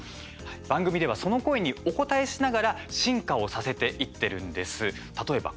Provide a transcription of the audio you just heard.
番組ではその声にお応えしながら進化をさせていってるんです。